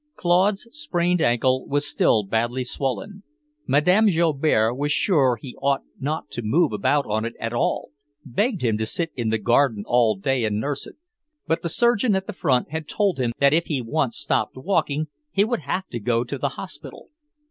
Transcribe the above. Claude's sprained ankle was still badly swollen. Madame Joubert was sure he ought not to move about on it at all, begged him to sit in the garden all day and nurse it. But the surgeon at the front had told him that if he once stopped walking, he would have to go to the hospital.